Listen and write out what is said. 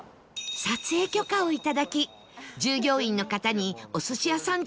撮影許可をいただき従業員の方にお寿司屋さん